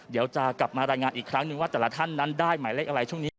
เดี๋ยวจะกลับมารายงานอีกครั้งหนึ่งว่าแต่ละท่านนั้นได้หมายเลขอะไรช่วงนี้